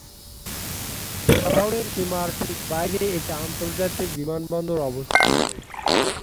শহরের সীমার ঠিক বাইরে একটি আন্তর্জাতিক বিমানবন্দর অবস্থিত।